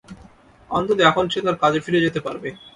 অন্তত এখন সে তার কাজে ফিরে যেতে পারবে।